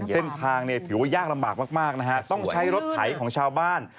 เส้นทางเนี่ยถือว่ายากลำบากมากนะฮะต้องใช้รถไถของชาวบ้าน